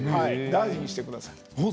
大事にしてください。